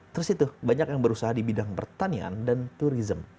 terus itu banyak yang berusaha di bidang pertanian dan turisme